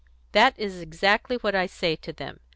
"That is exactly what I say to them.